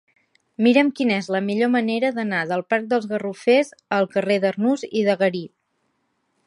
Mira'm quina és la millor manera d'anar del parc dels Garrofers al carrer d'Arnús i de Garí.